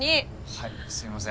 はいすみません。